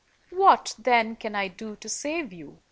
"What, then, can I do to save you?"